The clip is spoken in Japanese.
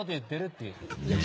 いや。